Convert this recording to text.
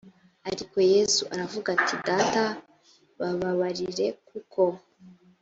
ariko yesu aravuga ati “data bababarire kuko…”